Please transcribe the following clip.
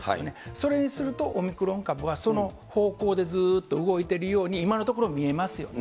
それにすると、オミクロン株はその方向でずっと動いてるように今のところ見えますよね。